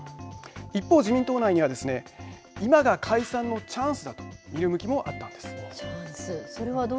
一方、自民党内にはですね今が解散のチャンスだという見る動きもあったんです。